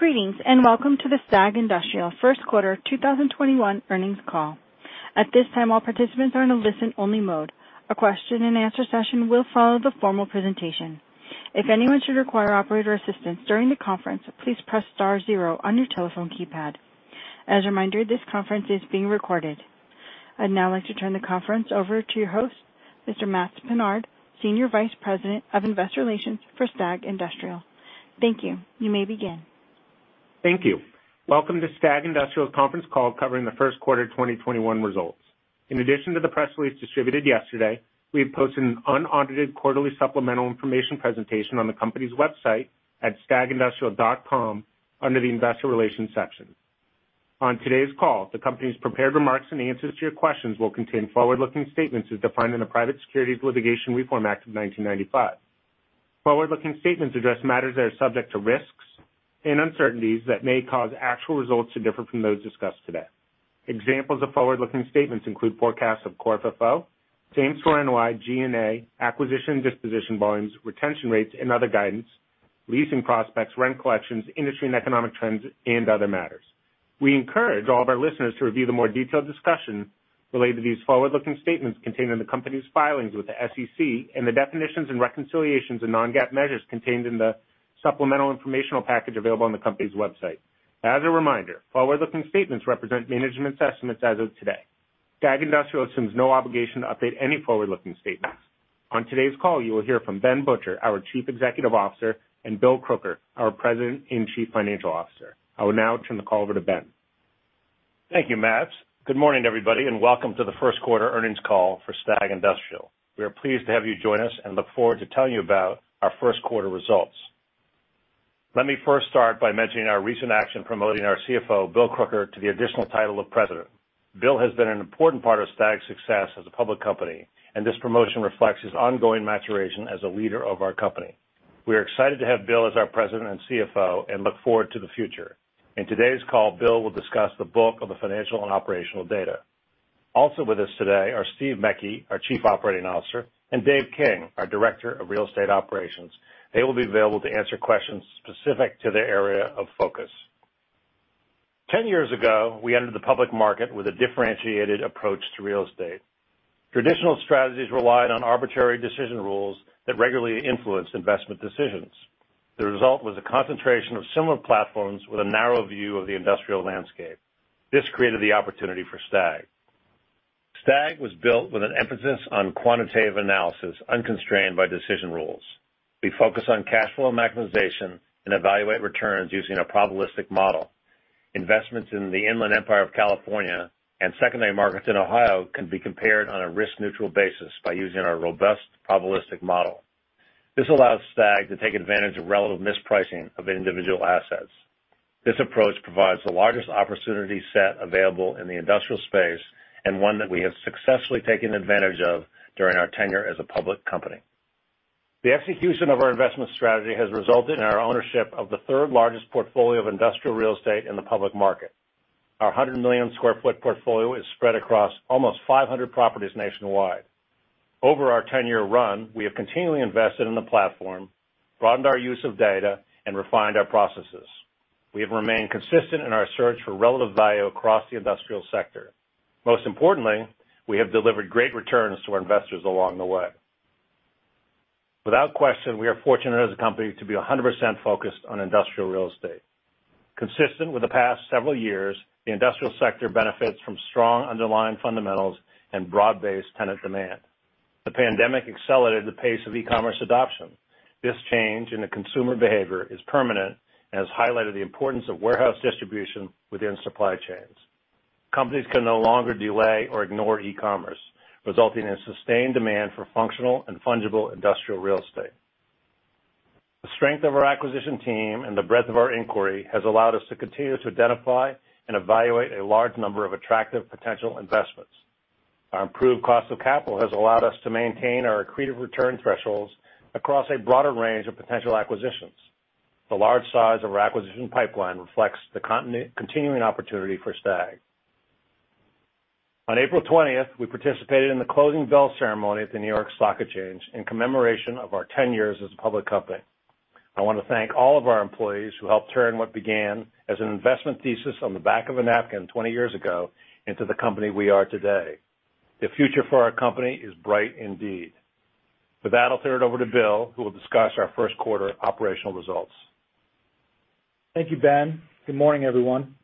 Greetings, and welcome to the STAG Industrial first quarter 2021 earnings call. At this time, all participants are in a listen-only mode. A question and answer session will follow the formal presentation. If anyone should require operator assistance during the conference, please press star zero on your telephone keypad. As a reminder, this conference is being recorded. I'd now like to turn the conference over to your host, Mr. Matts Pinard, Senior Vice President of Investor Relations for STAG Industrial. Thank you. You may begin. Thank you. Welcome to STAG Industrial's conference call covering the first quarter 2021 results. In addition to the press release distributed yesterday, we have posted an unaudited quarterly supplemental information presentation on the company's website at stagindustrial.com under the investor relations section. On today's call, the company's prepared remarks and answers to your questions will contain forward-looking statements as defined in the Private Securities Litigation Reform Act of 1995. Forward-looking statements address matters that are subject to risks and uncertainties that may cause actual results to differ from those discussed today. Examples of forward-looking statements include forecasts of core FFO, same-store NOI, G&A, acquisition disposition volumes, retention rates, and other guidance, leasing prospects, rent collections, industry and economic trends, and other matters. We encourage all of our listeners to review the more detailed discussion related to these forward-looking statements contained in the company's filings with the SEC and the definitions and reconciliations of non-GAAP measures contained in the supplemental informational package available on the company's website. As a reminder, forward-looking statements represent management's estimates as of today. STAG Industrial assumes no obligation to update any forward-looking statements. On today's call, you will hear from Ben Butcher, our Chief Executive Officer, and Bill Crooker, our President and Chief Financial Officer. I will now turn the call over to Ben. Thank you, Matts. Good morning, everybody, and welcome to the first quarter earnings call for STAG Industrial. We are pleased to have you join us and look forward to telling you about our first quarter results. Let me first start by mentioning our recent action promoting our CFO, Bill Crooker, to the additional title of President. Bill has been an important part of STAG's success as a public company, and this promotion reflects his ongoing maturation as a leader of our company. We are excited to have Bill as our President and CFO and look forward to the future. In today's call, Bill will discuss the bulk of the financial and operational data. Also with us today are Steve Mecke, our Chief Operating Officer, and Dave King, our Director of Real Estate Operations. They will be available to answer questions specific to their area of focus. Ten years ago, we entered the public market with a differentiated approach to real estate. Traditional strategies relied on arbitrary decision rules that regularly influenced investment decisions. The result was a concentration of similar platforms with a narrow view of the industrial landscape. This created the opportunity for STAG. STAG was built with an emphasis on quantitative analysis unconstrained by decision rules. We focus on cash flow maximization and evaluate returns using a probabilistic model. Investments in the Inland Empire of California and secondary markets in Ohio can be compared on a risk-neutral basis by using our robust probabilistic model. This allows STAG to take advantage of relative mispricing of individual assets. This approach provides the largest opportunity set available in the industrial space, and one that we have successfully taken advantage of during our tenure as a public company. The execution of our investment strategy has resulted in our ownership of the third largest portfolio of industrial real estate in the public market. Our 100 million sq ft portfolio is spread across almost 500 properties nationwide. Over our 10-year run, we have continually invested in the platform, broadened our use of data, and refined our processes. We have remained consistent in our search for relative value across the industrial sector. Most importantly, we have delivered great returns to our investors along the way. Without question, we are fortunate as a company to be 100% focused on industrial real estate. Consistent with the past several years, the industrial sector benefits from strong underlying fundamentals and broad-based tenant demand. The pandemic accelerated the pace of e-commerce adoption. This change in the consumer behavior is permanent and has highlighted the importance of warehouse distribution within supply chains. Companies can no longer delay or ignore e-commerce, resulting in sustained demand for functional and fungible industrial real estate. The strength of our acquisition team and the breadth of our inquiry has allowed us to continue to identify and evaluate a large number of attractive potential investments. Our improved cost of capital has allowed us to maintain our accretive return thresholds across a broader range of potential acquisitions. The large size of our acquisition pipeline reflects the continuing opportunity for STAG. On April 20th, we participated in the closing bell ceremony at the New York Stock Exchange in commemoration of our 10 years as a public company. I want to thank all of our employees who helped turn what began as an investment thesis on the back of a napkin 20 years ago into the company we are today. The future for our company is bright indeed. With that, I'll turn it over to Bill, who will discuss our first quarter operational results. Thank you, Ben. Good morning, everyone.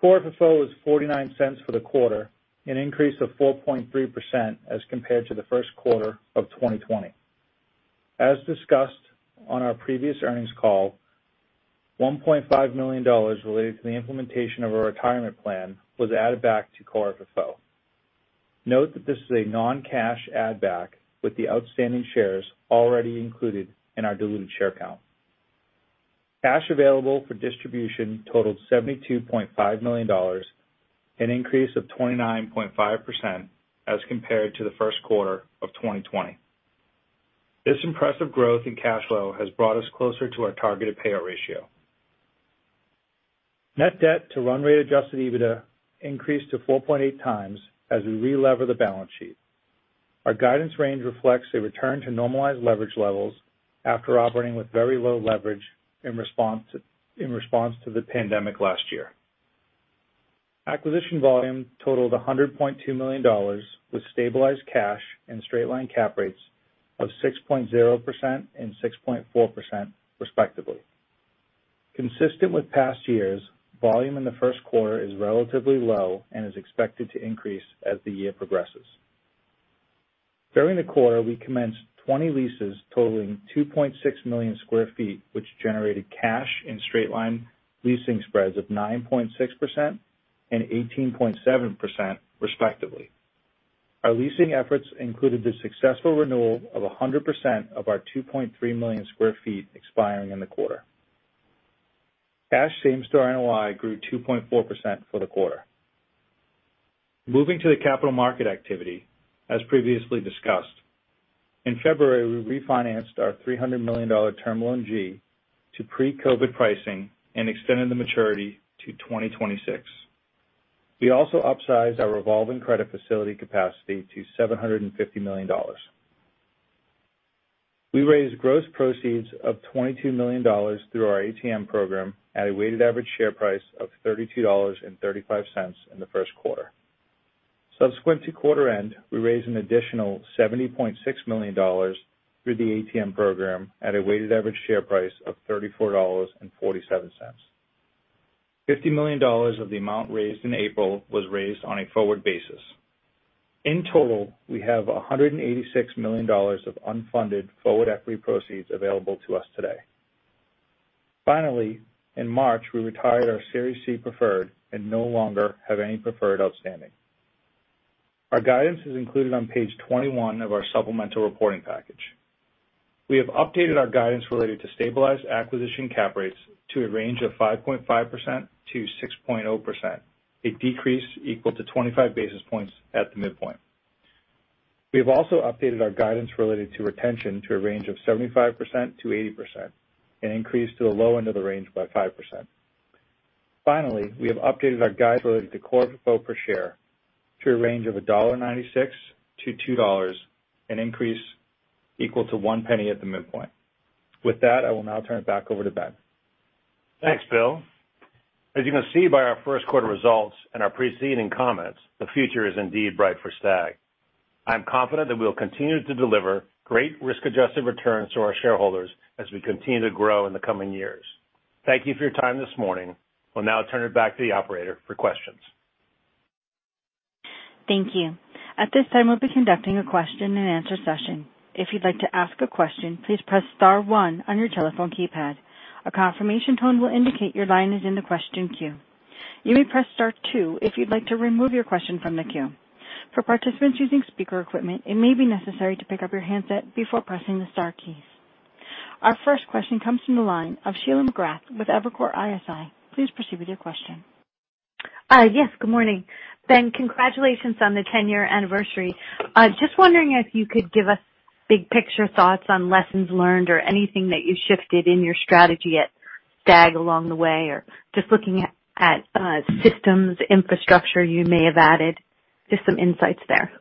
Core FFO was $0.49 for the quarter, an increase of 4.3% as compared to the first quarter of 2020. As discussed on our previous earnings call, $1.5 million related to the implementation of our retirement plan was added back to core FFO. Note that this is a non-cash add back with the outstanding shares already included in our diluted share count. Cash available for distribution totaled $72.5 million, an increase of 29.5% as compared to the first quarter of 2020. This impressive growth in cash flow has brought us closer to our targeted payout ratio. Net debt to run rate Adjusted EBITDA increased to 4.8x as we relever the balance sheet. Our guidance range reflects a return to normalized leverage levels after operating with very low leverage in response to the pandemic last year. Acquisition volume totaled $100.2 million with stabilized cash and straight-line cap rates of 6.0% and 6.4%, respectively. Consistent with past years, volume in the first quarter is relatively low and is expected to increase as the year progresses. During the quarter, we commenced 20 leases totaling 2.6 million sq ft, which generated cash and straight-line leasing spreads of 9.6% and 18.7%, respectively. Our leasing efforts included the successful renewal of 100% of our 2.3 million sq ft expiring in the quarter. Cash same-store NOI grew 2.4% for the quarter. Moving to the capital market activity, as previously discussed, in February, we refinanced our $300 million term loan G to pre-COVID pricing and extended the maturity to 2026. We also upsized our revolving credit facility capacity to $750 million. We raised gross proceeds of $22 million through our ATM program at a weighted average share price of $32.35 in the first quarter. Subsequent to quarter end, we raised an additional $70.6 million through the ATM program at a weighted average share price of $34.47. $50 million of the amount raised in April was raised on a forward basis. In total, we have $186 million of unfunded forward equity proceeds available to us today. Finally, in March, we retired our Series C preferred and no longer have any preferred outstanding. Our guidance is included on page 21 of our supplemental reporting package. We have updated our guidance related to stabilized acquisition cap rates to a range of 5.5%-6.0%, a decrease equal to 25 basis points at the midpoint. We have also updated our guidance related to retention to a range of 75%-80%, an increase to the low end of the range by 5%. Finally, we have updated our guide related to core FFO per share to a range of $1.96-$2, an increase equal to $0.01 at the midpoint. With that, I will now turn it back over to Ben. Thanks, Bill. As you can see by our first quarter results and our preceding comments, the future is indeed bright for STAG. I'm confident that we'll continue to deliver great risk-adjusted returns to our shareholders as we continue to grow in the coming years. Thank you for your time this morning. We'll now turn it back to the operator for questions. Thank you. At this time, we'll be conducting a question and answer session. If you'd like to ask a question, please press star one on your telephone keypad. A confirmation tone will indicate your line is in the question queue. You may press star two if you'd like to remove your question from the queue. For participants using speaker equipment, it may be necessary to pick up your handset before pressing the star keys. Our first question comes from the line of Sheila McGrath with Evercore ISI. Please proceed with your question. Yes, good morning. Ben, congratulations on the 10-year anniversary. Just wondering if you could give us big picture thoughts on lessons learned or anything that you shifted in your strategy at STAG along the way, or just looking at systems, infrastructure you may have added, just some insights there.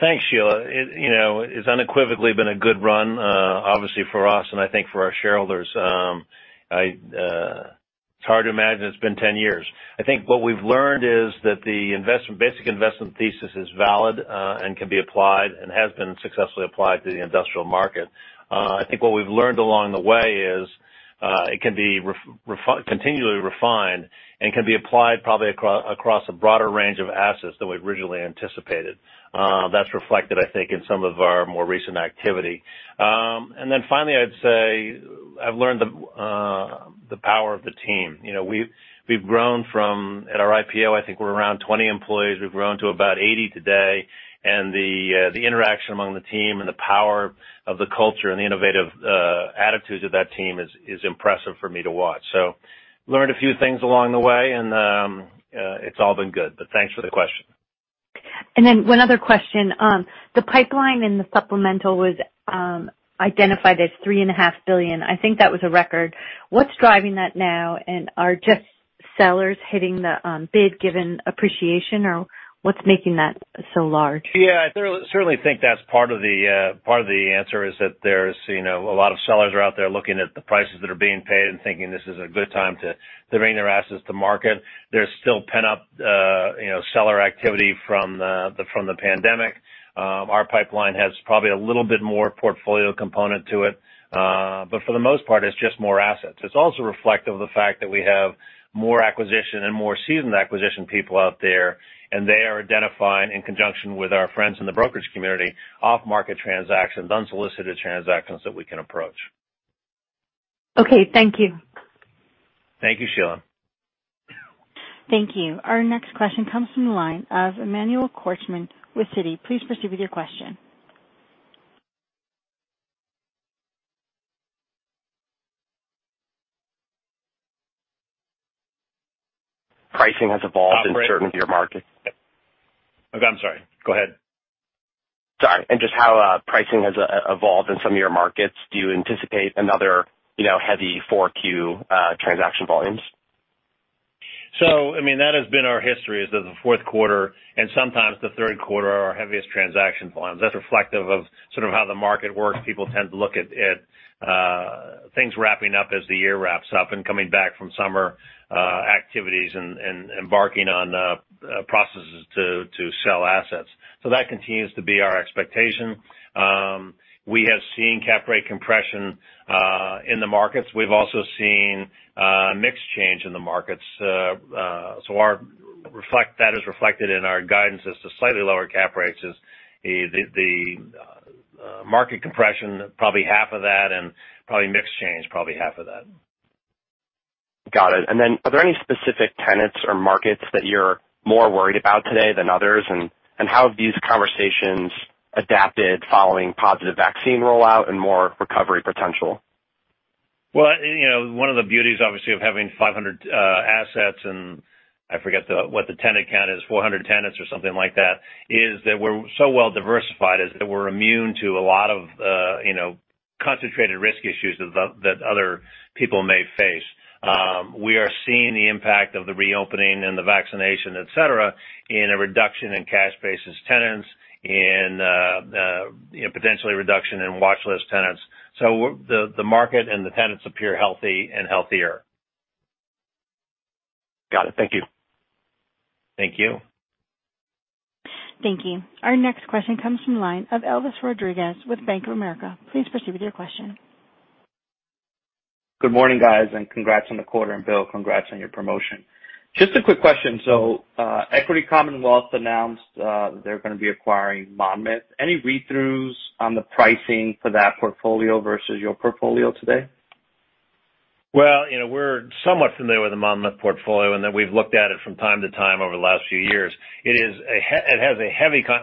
Thanks, Sheila. It's unequivocally been a good run, obviously for us and I think for our shareholders. It's hard to imagine it's been 10 years. I think what we've learned is that the basic investment thesis is valid and can be applied, and has been successfully applied to the industrial market. I think what we've learned along the way is it can be continually refined and can be applied probably across a broader range of assets than we'd originally anticipated. That's reflected, I think, in some of our more recent activity. Finally, I'd say I've learned the power of the team. At our IPO, I think we were around 20 employees. We've grown to about 80 today. The interaction among the team and the power of the culture and the innovative attitudes of that team is impressive for me to watch. Learned a few things along the way, and it's all been good. Thanks for the question. One other question. The pipeline in the supplemental was identified as $3.5 billion. I think that was a record. What's driving that now? Are just sellers hitting the bid given appreciation, or what's making that so large? I certainly think that's part of the answer, is that there's a lot of sellers are out there looking at the prices that are being paid and thinking this is a good time to bring their assets to market. There's still pent-up seller activity from the pandemic. Our pipeline has probably a little bit more portfolio component to it. For the most part, it's just more assets. It's also reflective of the fact that we have more acquisition and more seasoned acquisition people out there, and they are identifying, in conjunction with our friends in the brokerage community, off-market transactions, unsolicited transactions that we can approach. Okay, thank you. Thank you, Sheila. Thank you. Our next question comes from the line of Emmanuel Korchman with Citi. Please proceed with your question. Pricing has evolved in certain of your markets. I'm sorry, go ahead Right. Just how pricing has evolved in some of your markets. Do you anticipate another heavy 4Q transaction volumes? That has been our history, is that the fourth quarter and sometimes the third quarter are our heaviest transaction volumes. That's reflective of how the market works. People tend to look at things wrapping up as the year wraps up and coming back from summer activities and embarking on processes to sell assets. That continues to be our expectation. We have seen cap rate compression in the markets. We've also seen a mix change in the markets. That is reflected in our guidance as to slightly lower cap rates, is the market compression, probably half of that, and probably mix change, probably half of that. Got it. Are there any specific tenants or markets that you're more worried about today than others? How have these conversations adapted following positive vaccine rollout and more recovery potential? One of the beauties, obviously, of having 500 assets, and I forget what the tenant count is, 400 tenants or something like that, is that we're so well-diversified, is that we're immune to a lot of concentrated risk issues that other people may face. We are seeing the impact of the reopening and the vaccination, et cetera, in a reduction in cash-basis tenants and potentially a reduction in watchlist tenants. The market and the tenants appear healthy and healthier. Got it. Thank you. Thank you. Thank you. Our next question comes from the line of Elvis Rodriguez with Bank of America. Please proceed with your question. Good morning, guys, and congrats on the quarter. Bill, congrats on your promotion. Just a quick question. Equity Commonwealth announced that they're going to be acquiring Monmouth. Any read-throughs on the pricing for that portfolio versus your portfolio today? Well, we're somewhat familiar with the Monmouth portfolio in that we've looked at it from time to time over the last few years.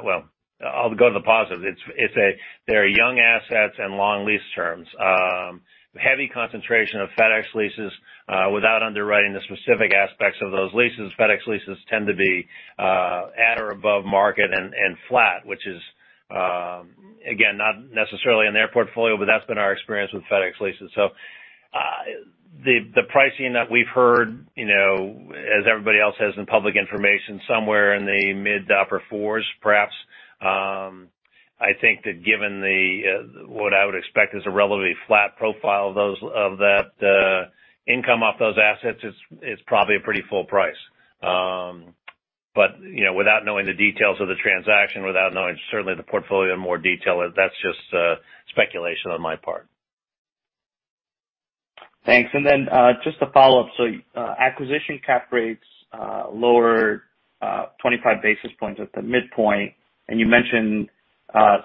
Well, I'll go to the positive. They are young assets and long lease terms. Heavy concentration of FedEx leases. Without underwriting the specific aspects of those leases, FedEx leases tend to be at or above market and flat, which is, again, not necessarily in their portfolio, but that's been our experience with FedEx leases. The pricing that we've heard, as everybody else has in public information, somewhere in the mid to upper fours, perhaps. I think that given what I would expect is a relatively flat profile of that income off those assets, it's probably a pretty full price. Without knowing the details of the transaction, without knowing certainly the portfolio in more detail, that's just speculation on my part. Thanks. Just a follow-up. Acquisition cap rates lowered 25 basis points at the midpoint, and you mentioned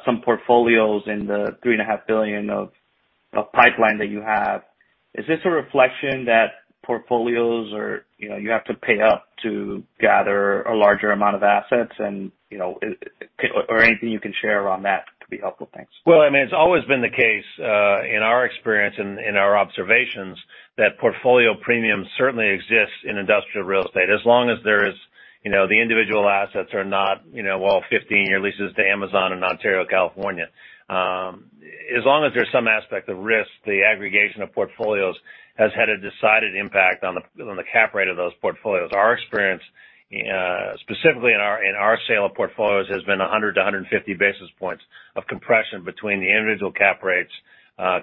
some portfolios in the $3.5 billion of pipeline that you have. Is this a reflection that portfolios you have to pay up to gather a larger amount of assets? Anything you can share around that could be helpful. Thanks. It's always been the case, in our experience and in our observations, that portfolio premium certainly exists in industrial real estate. As long as the individual assets are not all 15-year leases to Amazon in Ontario, California. As long as there's some aspect of risk, the aggregation of portfolios has had a decided impact on the cap rate of those portfolios. Our experience, specifically in our sale of portfolios, has been 100 basis points-150 basis points of compression between the individual cap rates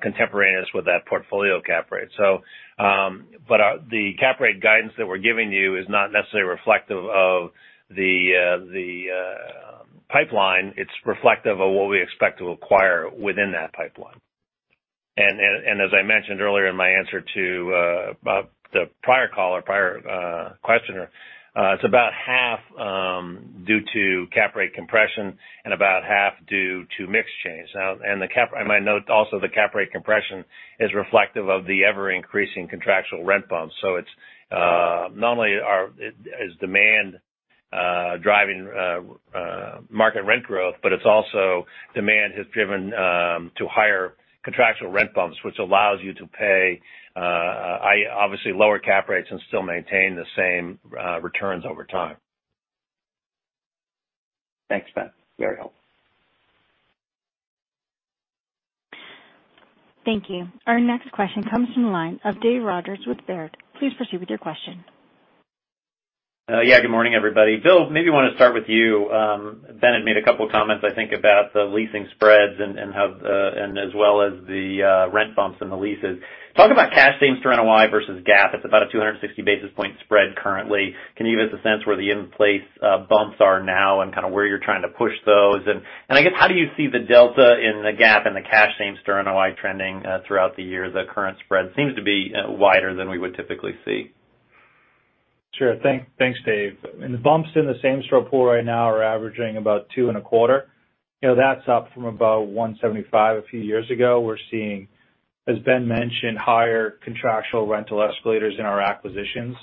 contemporaneous with that portfolio cap rate. The cap rate guidance that we're giving you is not necessarily reflective of the pipeline. It's reflective of what we expect to acquire within that pipeline. As I mentioned earlier in my answer to the prior caller, prior questioner, it's about half due to cap rate compression and about half due to mix change. I might note also, the cap rate compression is reflective of the ever-increasing contractual rent bumps. It's not only is demand driving market rent growth, but it's also demand has driven to higher contractual rent bumps, which allows you to pay, obviously, lower cap rates and still maintain the same returns over time. Thanks, Ben. Very helpful. Thank you. Our next question comes from the line of Dave Rodgers with Baird. Please proceed with your question. Yeah, good morning, everybody. Bill, maybe want to start with you. Ben had made a couple comments, I think, about the leasing spreads and as well as the rent bumps in the leases. Talk about cash same-store NOI versus GAAP. It's about a 260 basis points spread currently. Can you give us a sense where the in-place bumps are now and kind of where you're trying to push those? I guess, how do you see the delta in the GAAP and the cash same-store NOI trending throughout the year? The current spread seems to be wider than we would typically see. Sure. Thanks, Dave. The bumps in the same store pool right now are averaging about 2.25%. That's up from about 1.75% a few years ago. We're seeing, as Ben mentioned, higher contractual rental escalators in our acquisitions,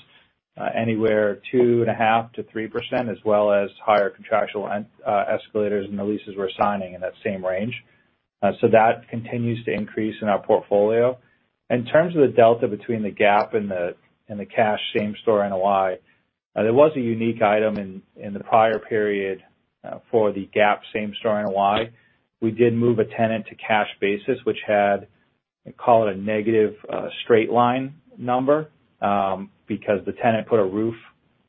anywhere 2.5%-3%, as well as higher contractual escalators in the leases we're signing in that same range. That continues to increase in our portfolio. In terms of the delta between the GAAP and the cash same-store NOI, there was a unique item in the prior period for the GAAP same-store NOI. We did move a tenant to cash basis, which had, call it a negative straight-line number. Because the tenant put a roof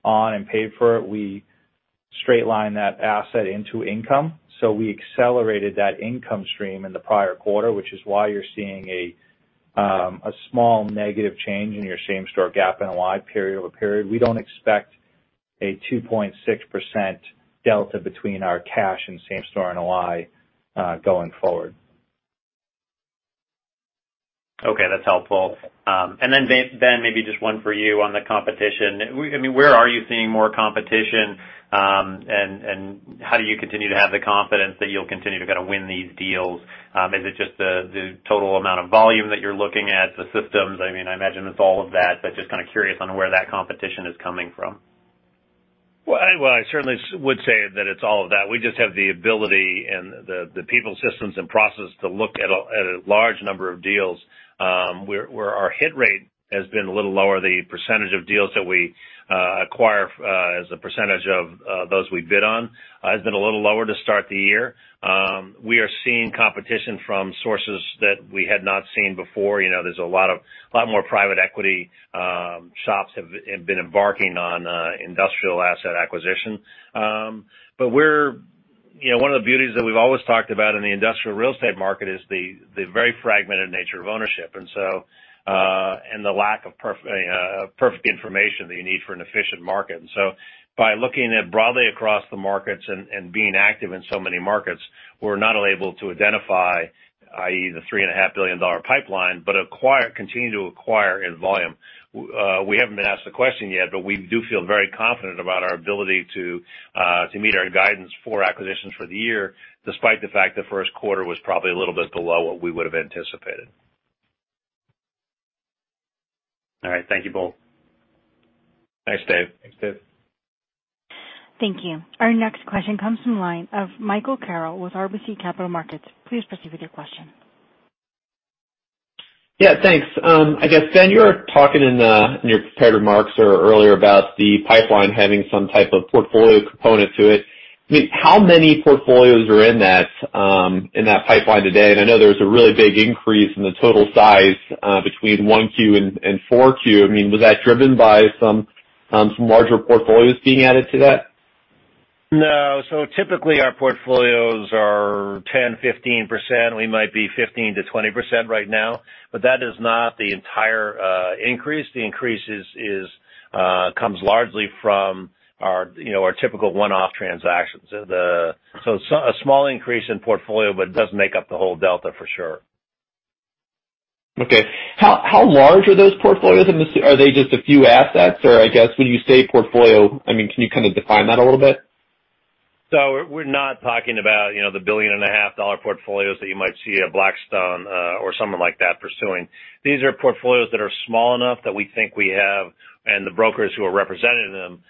on and paid for it, we straight-lined that asset into income. We accelerated that income stream in the prior quarter, which is why you're seeing a small negative change in your same-store GAAP NOI period-over-period. We don't expect a 2.6% delta between our cash and same-store NOI going forward. Okay, that's helpful. Then, Ben, maybe just one for you on the competition. Where are you seeing more competition? How do you continue to have the confidence that you'll continue to kind of win these deals? Is it just the total amount of volume that you're looking at, the systems? I imagine it's all of that, but just kind of curious on where that competition is coming from. Well, I certainly would say that it's all of that. We just have the ability and the people, systems, and process to look at a large number of deals. Where our hit rate has been a little lower, the percentage of deals that we acquire as a percentage of those we bid on, has been a little lower to start the year. We are seeing competition from sources that we had not seen before. There's a lot more private equity shops have been embarking on industrial asset acquisition. One of the beauties that we've always talked about in the industrial real estate market is the very fragmented nature of ownership. The lack of perfect information that you need for an efficient market. By looking broadly across the markets and being active in so many markets, we're not only able to identify, i.e., the $3.5 billion pipeline, but continue to acquire in volume. We haven't been asked the question yet, but we do feel very confident about our ability to meet our guidance for acquisitions for the year, despite the fact the first quarter was probably a little bit below what we would've anticipated. All right. Thank you both. Thanks, Dave. Thanks, Dave. Thank you. Our next question comes from the line of Michael Carroll with RBC Capital Markets. Please proceed with your question. Yeah, thanks. I guess, Ben, you were talking in your prepared remarks earlier about the pipeline having some type of portfolio component to it. How many portfolios are in that pipeline today? I know there was a really big increase in the total size between 1Q and 4Q. Was that driven by some larger portfolios being added to that? No. Typically, our portfolios are 10%-15%. We might be 15%-20% right now, but that is not the entire increase. The increase comes largely from our typical one-off transactions. A small increase in portfolio, but it doesn't make up the whole delta for sure. Okay. How large are those portfolios? Are they just a few assets, or I guess when you say portfolio, can you kind of define that a little bit? We're not talking about the $1.5 billion portfolios that you might see a Blackstone or someone like that pursuing. These are portfolios that are small enough that we think we have, and the brokers who are representing them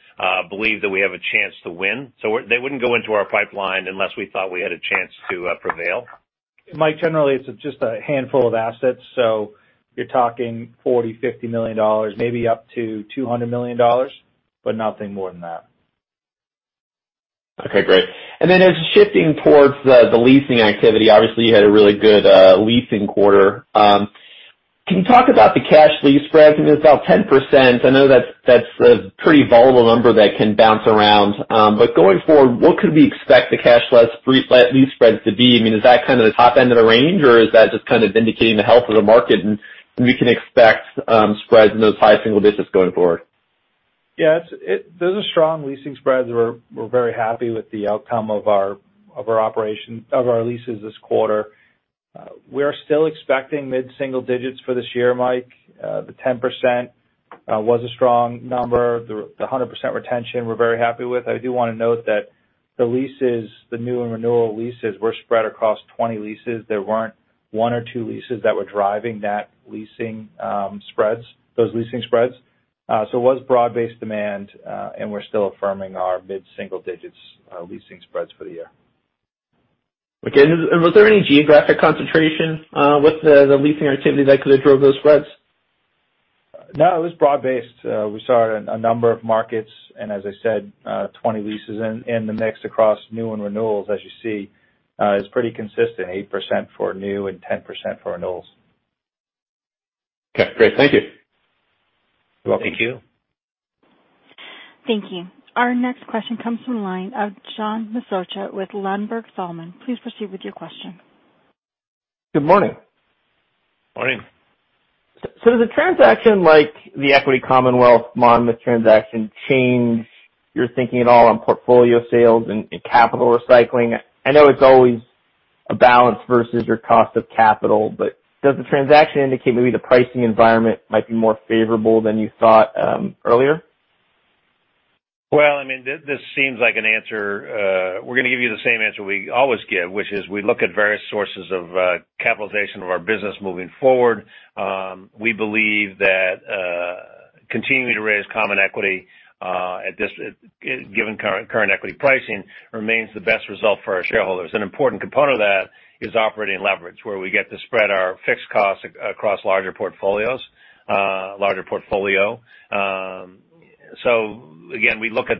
believe that we have a chance to win. They wouldn't go into our pipeline unless we thought we had a chance to prevail. Mike, generally, it's just a handful of assets. You're talking $40 million-$50 million, maybe up to $200 million, but nothing more than that. Okay, great. As shifting towards the leasing activity, obviously you had a really good leasing quarter. Can you talk about the cash lease spreads? It's about 10%. I know that's a pretty volatile number that can bounce around. Going forward, what could we expect the cash lease spreads to be? Is that kind of the top end of the range, or is that just kind of indicating the health of the market and we can expect spreads in those high single digits going forward? Yeah. Those are strong leasing spreads. We're very happy with the outcome of our leases this quarter. We are still expecting mid-single digits for this year, Mike The 10% was a strong number. The 100% retention we're very happy with. I do want to note that the leases, the new and renewal leases, were spread across 20 leases. There weren't one or two leases that were driving those leasing spreads. It was broad-based demand, and we're still affirming our mid-single digits leasing spreads for the year. Was there any geographic concentration with the leasing activity that drove those spreads? No, it was broad-based. We saw it in a number of markets, and as I said, 20 leases in the mix across new and renewals, as you see, is pretty consistent, 8% for new and 10% for renewals. Okay, great. Thank you. You're welcome. Thank you. Thank you. Our next question comes from the line of John Massocca with Ladenburg Thalmann. Please proceed with your question. Good morning. Morning. Does a transaction like the Equity Commonwealth Monmouth transaction change your thinking at all on portfolio sales and capital recycling? I know it's always a balance versus your cost of capital, but does the transaction indicate maybe the pricing environment might be more favorable than you thought earlier? Well, this seems like an answer. We're going to give you the same answer we always give, which is we look at various sources of capitalization of our business moving forward. We believe that continuing to raise common equity given current equity pricing remains the best result for our shareholders. An important component of that is operating leverage, where we get to spread our fixed costs across larger portfolio. Again, we look at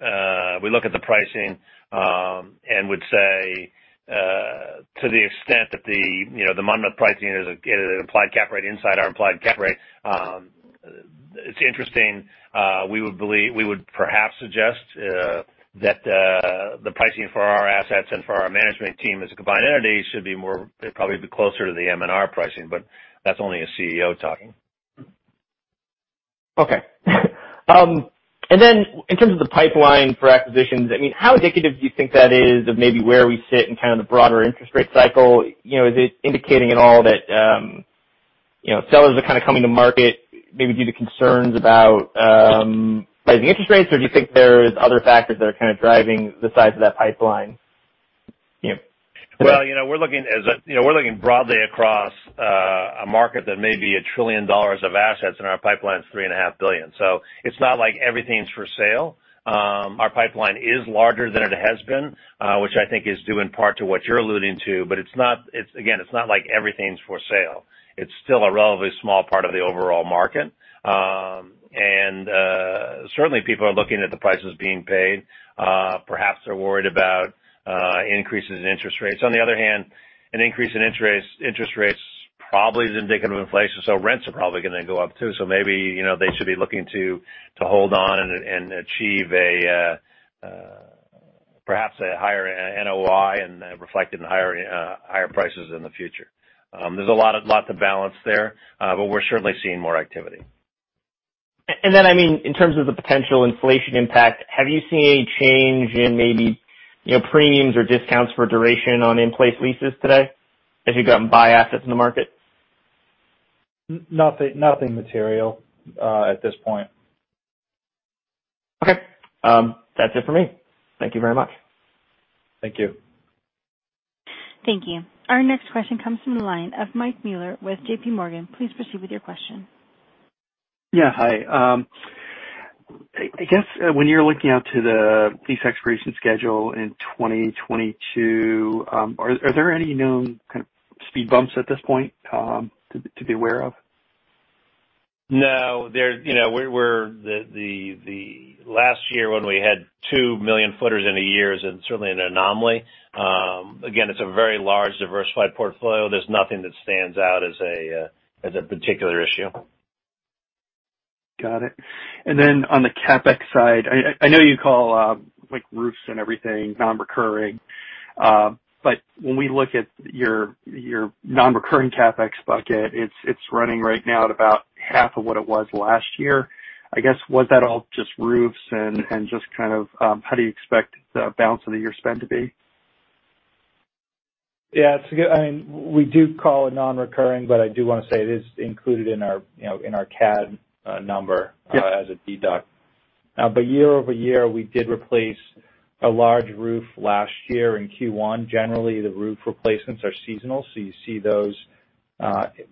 the pricing and would say to the extent that the Monmouth pricing is an implied cap rate inside our implied cap rate. It's interesting. We would perhaps suggest that the pricing for our assets and for our management team as a combined entity should probably be closer to the MNR pricing, but that's only a CEO talking. Okay. In terms of the pipeline for acquisitions, how indicative do you think that is of maybe where we sit in kind of the broader interest rate cycle? Is it indicating at all that sellers are kind of coming to market maybe due to concerns about rising interest rates, or do you think there's other factors that are kind of driving the size of that pipeline? We're looking broadly across a market that may be a trillion dollars of assets, and our pipeline's $3.5 billion. It's not like everything's for sale. Our pipeline is larger than it has been, which I think is due in part to what you're alluding to. Again, it's not like everything's for sale. It's still a relatively small part of the overall market. Certainly, people are looking at the prices being paid. Perhaps they're worried about increases in interest rates. On the other hand, an increase in interest rates probably is indicative of inflation. Rents are probably going to go up too. Maybe they should be looking to hold on and achieve perhaps a higher NOI and reflect in higher prices in the future. There's lots of balance there, but we're certainly seeing more activity. In terms of the potential inflation impact, have you seen any change in maybe premiums or discounts for duration on in-place leases today as you go out and buy assets in the market? Nothing material at this point. Okay. That's it for me. Thank you very much. Thank you. Thank you. Our next question comes from the line of Mike Mueller with JPMorgan. Please proceed with your question. Yeah. Hi. I guess when you're looking out to the lease expiration schedule in 2022, are there any known kind of speed bumps at this point to be aware of? No. The last year when we had 2 million footers in a year is certainly an anomaly. Again, it's a very large, diversified portfolio. There's nothing that stands out as a particular issue. Got it. On the CapEx side, I know you call roofs and everything non-recurring. When we look at your non-recurring CapEx bucket, it's running right now at about half of what it was last year. I guess, was that all just roofs, and just kind of how do you expect the balance of the year spend to be? Yeah. We do call it non-recurring, but I do want to say it is included in our CAD number as a deduct. Year-over-year, we did replace a large roof last year in Q1. Generally, the roof replacements are seasonal, so you see those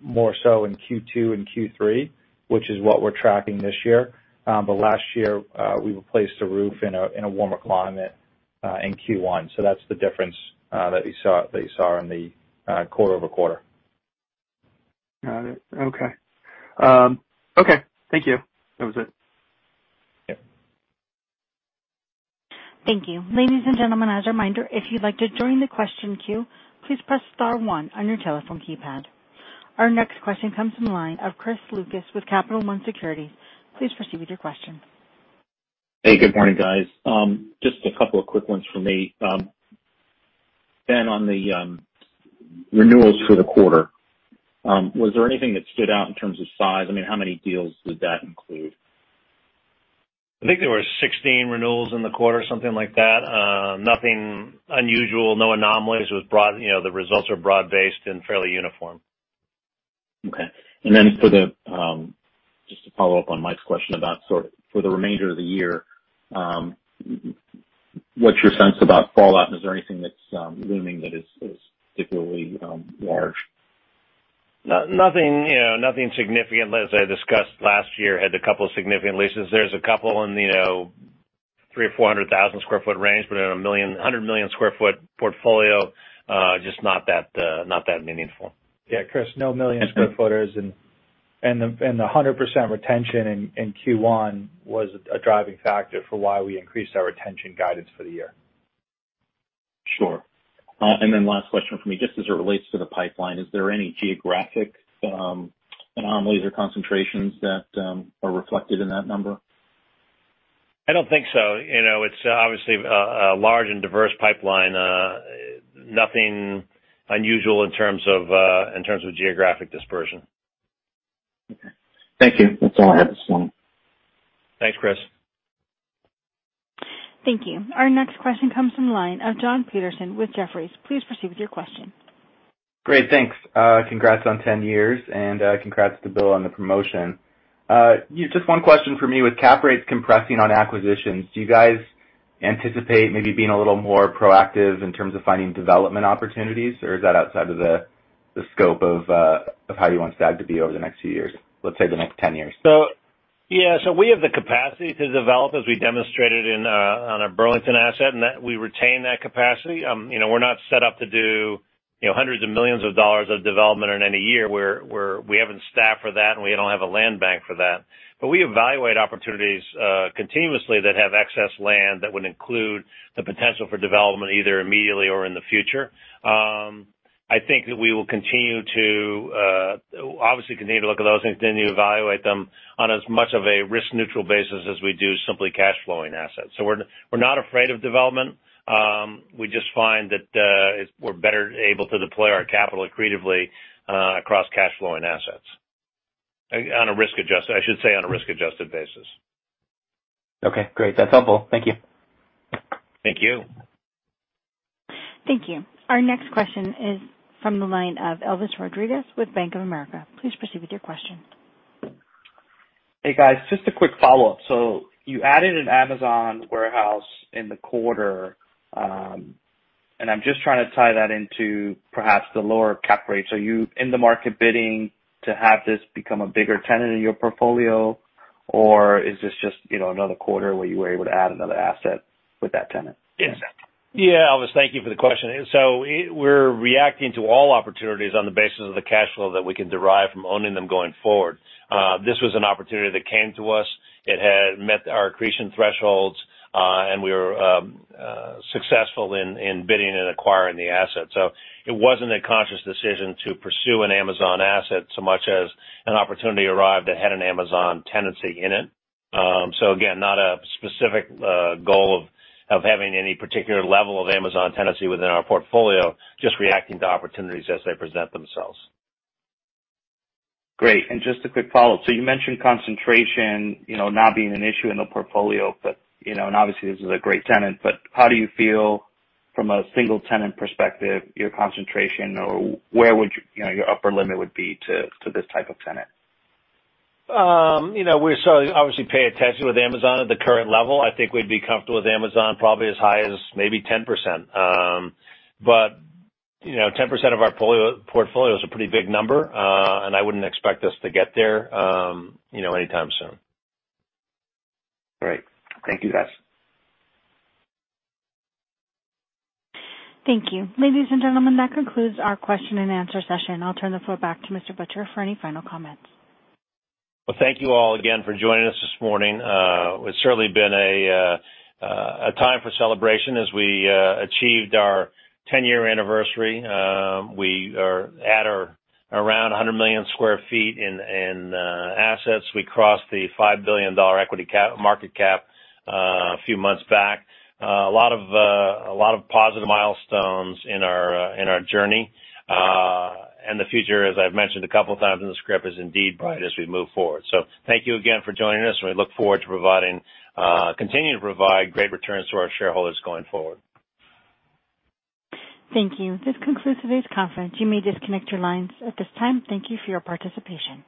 more so in Q2 and Q3, which is what we're tracking this year. Last year, we replaced a roof in a warmer climate in Q1. That's the difference that you saw in the quarter-over-quarter. Got it. Okay. Thank you. That was it. Yep. Thank you. Ladies and gentlemen, as a reminder, if you'd like to join the question queue, please press star one on your telephone keypad. Our next question comes from the line of Chris Lucas with Capital One Securities. Please proceed with your question. Hey, good morning, guys. Just a couple of quick ones from me. Ben, on the renewals for the quarter, was there anything that stood out in terms of size? How many deals did that include? I think there were 16 renewals in the quarter, something like that. Nothing unusual, no anomalies. The results are broad-based and fairly uniform. Okay. Just to follow up on Mike's question about for the remainder of the year, what's your sense about fallout? Is there anything that's looming that is particularly large? Nothing significant. As I discussed last year, had a couple of significant leases. There's a couple in the 300,000 sq ft or 400,000 sq ft range, in a 100 million sq ft portfolio, just not that meaningful. Yeah, Chris, no million square footers, and the 100% retention in Q1 was a driving factor for why we increased our retention guidance for the year. Sure. Last question from me, just as it relates to the pipeline, is there any geographic anomalies or concentrations that are reflected in that number? I don't think so. It's obviously a large and diverse pipeline. Nothing unusual in terms of geographic dispersion. Okay. Thank you. That's all I have this morning. Thanks, Chris. Thank you. Our next question comes from the line of Jon Petersen with Jefferies. Please proceed with your question. Great. Thanks. Congrats on 10 years, and congrats to Bill on the promotion. Just one question for me. With cap rates compressing on acquisitions, do you guys anticipate maybe being a little more proactive in terms of finding development opportunities, or is that outside of the scope of how you want STAG to be over the next few years, let's say the next 10 years? Yeah. We have the capacity to develop as we demonstrated on our Burlington asset, and we retain that capacity. We're not set up to do hundreds of millions of dollars of development in any year. We haven't staffed for that, and we don't have a land bank for that. We evaluate opportunities continuously that have excess land that would include the potential for development either immediately or in the future. I think that we will obviously continue to look at those and continue to evaluate them on as much of a risk-neutral basis as we do simply cash flowing assets. We're not afraid of development. We just find that we're better able to deploy our capital accretively across cash flowing assets, I should say, on a risk-adjusted basis. Okay, great. That's helpful. Thank you. Thank you. Thank you. Our next question is from the line of Elvis Rodriguez with Bank of America. Please proceed with your question. Hey, guys. Just a quick follow-up. You added an Amazon warehouse in the quarter. I'm just trying to tie that into perhaps the lower cap rate. Are you in the market bidding to have this become a bigger tenant in your portfolio, or is this just another quarter where you were able to add another asset with that tenant? Yeah. Elvis, thank you for the question. We're reacting to all opportunities on the basis of the cash flow that we can derive from owning them going forward. This was an opportunity that came to us. It had met our accretion thresholds, and we were successful in bidding and acquiring the asset. It wasn't a conscious decision to pursue an Amazon asset so much as an opportunity arrived that had an Amazon tenancy in it. Again, not a specific goal of having any particular level of Amazon tenancy within our portfolio, just reacting to opportunities as they present themselves. Great. Just a quick follow-up. You mentioned concentration not being an issue in the portfolio, and obviously this is a great tenant, but how do you feel from a single tenant perspective, your concentration, or where would your upper limit would be to this type of tenant? Obviously pay attention with Amazon at the current level. I think we'd be comfortable with Amazon probably as high as maybe 10%. 10% of our portfolio is a pretty big number, and I wouldn't expect us to get there anytime soon. Great. Thank you, guys. Thank you. Ladies and gentlemen, that concludes our question and answer session. I'll turn the floor back to Mr. Butcher for any final comments. Well, thank you all again for joining us this morning. It's certainly been a time for celebration as we achieved our 10-year anniversary. We are at or around 100 million sq ft in assets. We crossed the $5 billion equity market cap a few months back. A lot of positive milestones in our journey. The future, as I've mentioned a couple times in the script, is indeed bright as we move forward. Thank you again for joining us, and we look forward to continuing to provide great returns to our shareholders going forward. Thank you. This concludes today's conference. You may disconnect your lines at this time. Thank you for your participation.